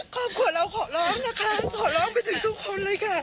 ครอบครัวเราขอร้องนะคะขอร้องไปถึงทุกคนเลยค่ะ